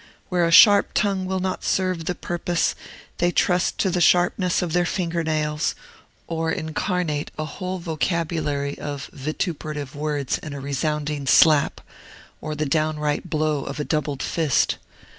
Where a sharp tongue will not serve the purpose, they trust to the sharpness of their finger nails, or incarnate a whole vocabulary of vituperative words in a resounding slap, or the downright blow of a doubled fist.